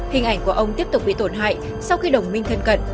hình ảnh của ông tiếp tục bị tổn hại sau khi đồng minh thân cận